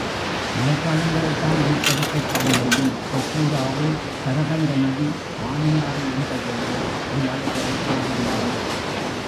மழைக்காலங்களில்தான் நீர்ப் பெருக்கைக் காண முடியும் தொப்பூர் ஆறு சரபங்க நதி வாணியாறு என்பவையே இம்மலைகளில் தோன்றுகின்றன.